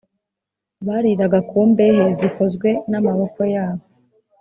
bariraga ku mbehe zikozwe n’amaboko yabo